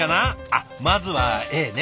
あっまずはＡね。